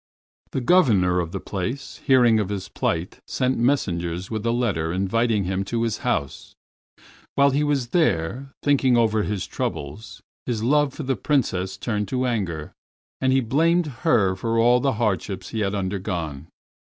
The governor of the place, hearing of his plight, sent messengers with a letter inviting him to his house. While he was there thinking over all his troubles, his love for the Princess turned to anger, and he blamed her for all the hardships he had undergone.